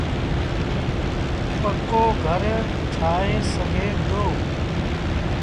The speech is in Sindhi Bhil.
پڪو گھر ٺآهي سگھي دو۔